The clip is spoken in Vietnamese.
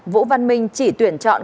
vũ văn minh chỉ tuyển chọn